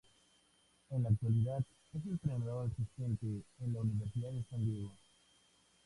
En la actualidad es entrenador asistente en la Universidad de San Diego.